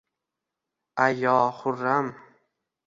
Ayo, Xurram!